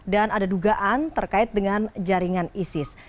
dan ada dugaan terkait dengan jaringan isis